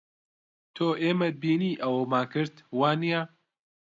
تۆ ئێمەت بینی ئەوەمان کرد، وانییە؟